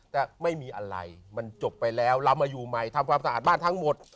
แต่ไม่มีอะไรมันจบไปแล้วเรามาอยู่ใหม่ทำความสะอาดบ้านทั้งหมด